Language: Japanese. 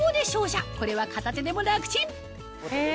これは片手でも楽ちんえ